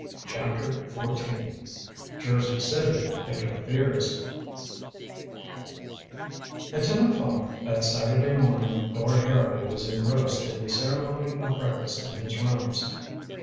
CHAPTER XIV JERSEY CITY INTERFERES At ten o'clock that Saturday morning Lord Harrowby was engrossed in the ceremony of breakfast in his rooms.